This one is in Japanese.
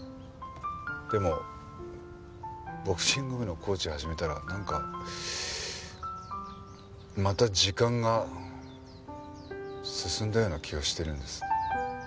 でもボクシング部のコーチを始めたらなんかまた時間が進んだような気がしてるんです。